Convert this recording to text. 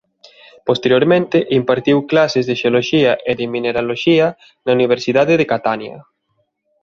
Posteriormente impartiu clases de xeoloxía e de mineraloxía na Universidade de Catania.